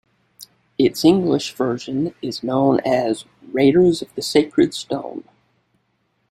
Its English version is known as "Raiders of the Sacred Stone".